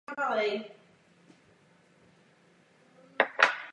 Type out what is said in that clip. Existují charakteristické rysy a pravidla které autoři dané skupiny mají společné.